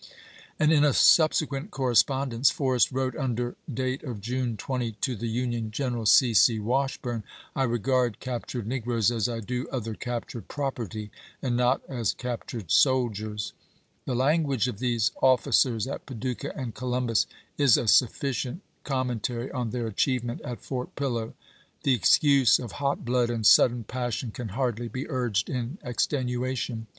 And in a subsequent correspondence Forrest wrote, under date of June 20, to the Union general, C. C. Washburn :" I regard captured negroes as I do other captured property, and not as captured soldiers." The lan guage of these officers at Paducah and Columbus is a sufficient commentary on their achievement at Fort Pniow. The excuse of hot blood and sudden passion can hardly be urged in extenuation.